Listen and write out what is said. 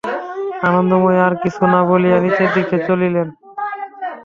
আনন্দময়ী আর কিছু না বলিয়া নীচের দিকে চলিলেন।